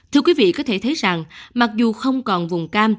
thưa quý vị có thể thấy rằng mặc dù không còn vùng cam